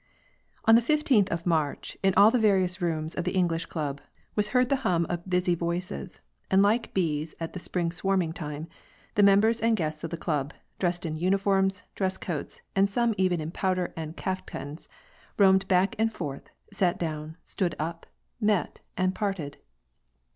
On the fifteenth of March, in all the various rooms of the i English Club was heard the hum of busy voices, and like bees at the spring swarming time, the members and guests of the club, dressed in uniforms, dress coats, and some even in powder and kaftans, roamed back and forth, sat down, stood np, met and parted.